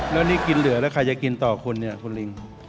แล้วนี่กินเหลือแล้วใครจะกินต่อคนเนี่ยคุณลิง